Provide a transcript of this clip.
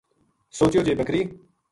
سوچیو جے بکری